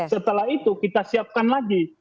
setelah itu kita siapkan lagi